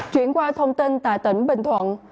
chuyển qua thông tin tại tỉnh bình thuận